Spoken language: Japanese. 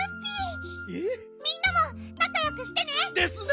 みんなもなかよくしてね。ですね。